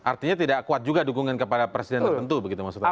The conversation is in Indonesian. artinya tidak kuat juga dukungan kepada presiden tertentu begitu maksud anda